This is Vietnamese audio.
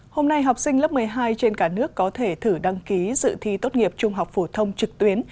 hôm nay học sinh lớp một mươi hai trên cả nước có thể thử đăng ký dự thi tốt nghiệp trung học phổ thông trực tuyến